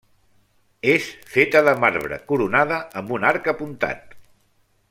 És feta de marbre, coronada amb un arc apuntat.